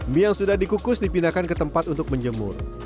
mie yang sudah dikukus dipindahkan ke tempat untuk menjemur